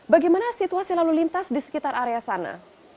bagaimana situasi lalu lintas di sekitar area sana